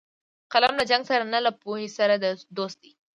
قلم له جنګ سره نه، له پوهې سره دوست دی